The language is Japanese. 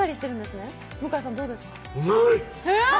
うまい！